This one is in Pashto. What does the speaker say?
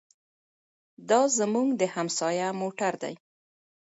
دا زموږ د همسایه موټر دی.